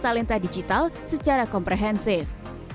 kedua bisa menjadikan digital secara komprehensif